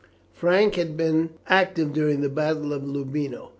Frank had been active during the battle of Loubino.